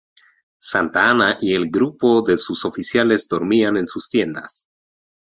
Santa Anna y el grupo de sus oficiales dormían en sus tiendas.